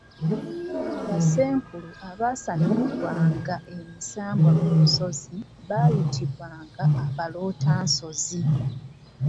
Bassenkulu abaasamiriranga emisambwa ku nsozi baayibwanga abaluutansozi.